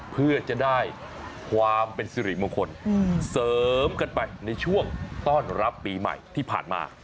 เพื่อจะได้ความเป็นสิริมงคลเสริมกันไปในช่วงต้อนรับปีใหม่ที่ผ่านมา